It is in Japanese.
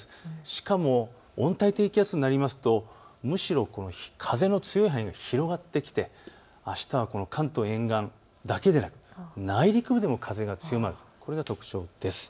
しかも温帯低気圧になりますとむしろ風の強い範囲が広がってきてあしたは関東沿岸だけでなく内陸部でも風が強まるというのが特徴です。